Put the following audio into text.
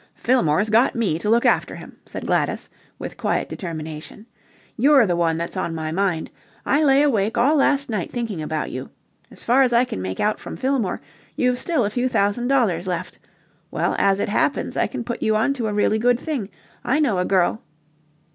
"Fillmore's got me to look after him," said Gladys, with quiet determination. "You're the one that's on my mind. I lay awake all last night thinking about you. As far as I can make out from Fillmore, you've still a few thousand dollars left. Well, as it happens, I can put you on to a really good thing. I know a girl..."